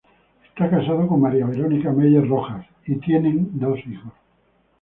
Está casado con María Verónica Meyer Rojas y tiene dos hijos.